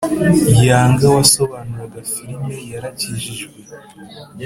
Yanga wasobanuraga firme yarakijijwe